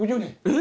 え！